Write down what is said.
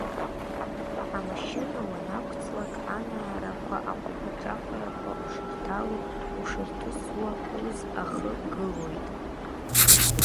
Амашьына уанақәҵлак, анаарақәа, аҟәаԥаҿаԥарақәа ушырҭало, ушырҭысуа, уз ахы гылоит.